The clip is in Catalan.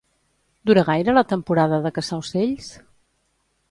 Dura gaire la temporada de caçar ocells?